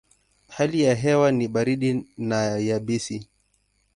Hali ya hewa ni baridi na yabisi.